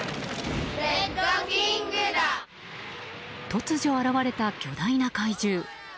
突如、現れた巨大な怪獣。